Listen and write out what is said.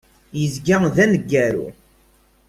Izga d aneggaru.